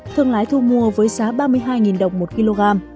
thương lái thu mua với giá ba mươi hai đồng một kg